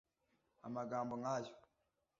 Amagambo nk’ayo